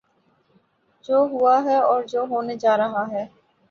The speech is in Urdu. جو ہوا ہے اور جو ہونے جا رہا ہے۔